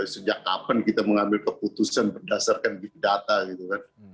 sejak kapan kita mengambil keputusan berdasarkan big data gitu kan